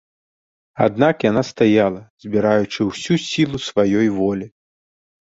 Аднак яна стаяла, збіраючы ўсю сілу сваёй волі.